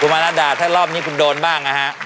คุณมานาดาถ้ารอบนี้ผมโดนบ้างนะฮะ